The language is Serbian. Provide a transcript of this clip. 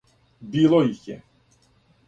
Било их је.